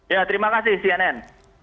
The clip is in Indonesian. ya terima kasih cnn